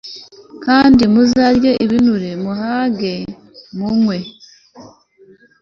kandi muzarya ibinure muhage munywe